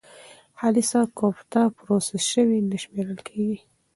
خالصه کوفته پروسس شوې نه شمېرل کېږي.